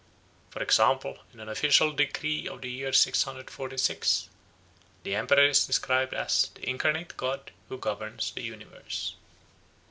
For example, in an official decree of the year 646 the emperor is described as "the incarnate god who governs the universe."